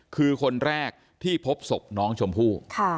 คือคนแรกที่พบศพน้องชมพู่